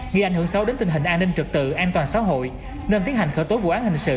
gây ảnh hưởng xấu đến tình hình an ninh trực tự an toàn xã hội nên tiến hành khởi tố vụ án hình sự